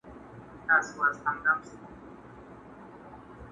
چي ډاکټر ورته کتله وارخطا سو!!